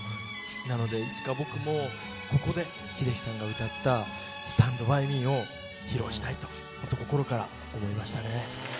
なのでいつか僕もここで秀樹さんが歌った「スタンド・バイ・ミー」を披露したいとほんと心から思いましたね。